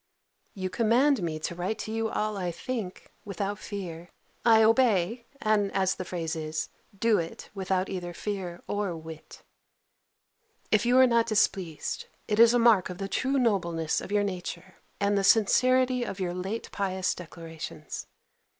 You command me to write to you all I think, without fear. I obey, and, as the phrase is, do it without either fear or wit. If you are not displeased, it is a mark of the true nobleness of your nature, and the sincerity of your late pious declarations.